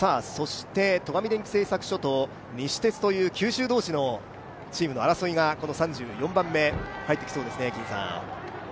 戸上電機製作所と西鉄という九州同士のチームの争いが３４番目に入ってきそうですね。